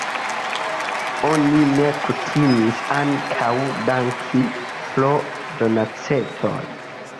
Oni ne kutimis ankaŭ danki pro donacetoj.